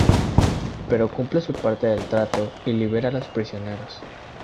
Pero cumple su parte del trato y libera a los prisioneros.